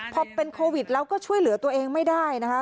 พอเป็นโควิดแล้วก็ช่วยเหลือตัวเองไม่ได้นะคะ